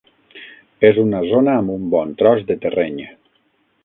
És una zona amb un bon tros de terreny.